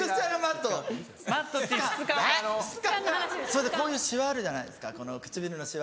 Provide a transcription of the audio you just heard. それでこういうシワあるじゃないですか唇のシワ。